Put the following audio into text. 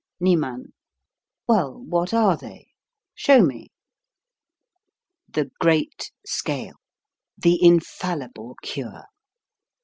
Niem. Well, what are they? Show me. The great scale, the infallible cure.